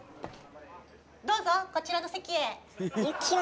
どうぞこちらの席へ。